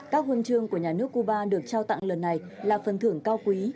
các quân trương của nhà nước cuba được trao tặng lần này là phần thưởng cao quý